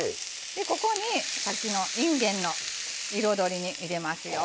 ここにさっきのいんげんの彩り入れますよ。